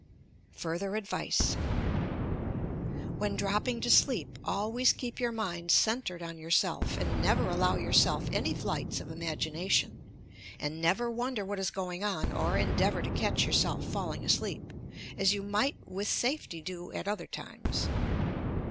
FUBTHEB ADVICE When dropping to sleep, always keep your mind centred on yourself, and never allow yourself any flights of imagination, and never wonder what is going on or endeavour to catch yourself falling asleep, as you might with safety do at other times.